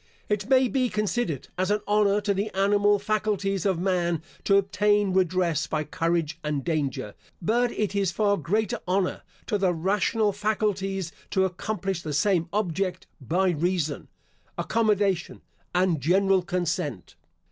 It may be considered as an honour to the animal faculties of man to obtain redress by courage and danger, but it is far greater honour to the rational faculties to accomplish the same object by reason, accommodation, and general consent.